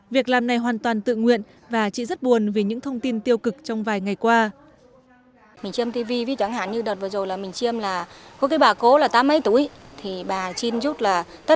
việc làm này hoàn toàn tự nguyện và chị rất buồn vì những thông tin tiêu cực trong vài ngày qua